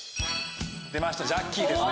出ましたジャッキーですね。